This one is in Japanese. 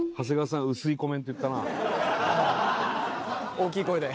大きい声で。